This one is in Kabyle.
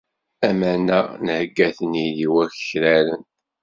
Aman-a nheyya-ten-id i wakraren.